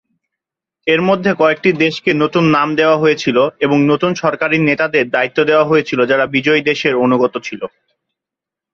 এর মধ্যে কয়েকটি দেশকে নতুন নাম দেওয়া হয়েছিল এবং নতুন সরকারী নেতাদের দায়িত্ব দেওয়া হয়েছিল যারা বিজয়ী দেশের অনুগত ছিল।